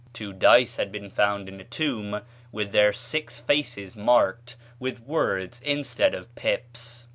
Two dice had been found in a tomb, with their six faces marked with words instead of pips.